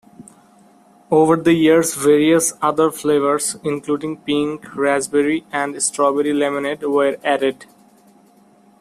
Over the years various other flavors, including pink, raspberry, and strawberry lemonade, were added.